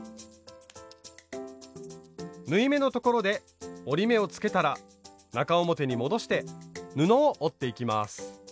縫い目のところで折り目をつけたら中表に戻して布を折っていきます。